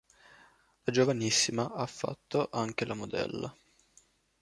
Da giovanissima ha fatto anche la modella.